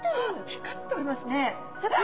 光っておりますね。